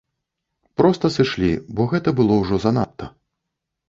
Проста сышлі, бо гэта было ўжо занадта.